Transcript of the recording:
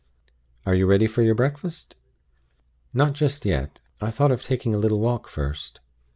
Are you ready for your breakfast?" "Not just yet. I thought of taking a little walk first."